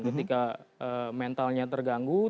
ketika mentalnya terganggu